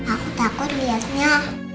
aku takut liatnya